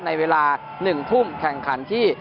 ในเวลา๑ทุ่มแข่งขันที่